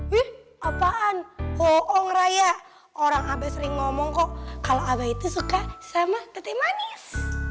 wih apaan hoong raya orang abah sering ngomong kok kalau abah itu suka sama kete manis